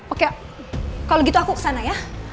oke kalau gitu aku kesana ya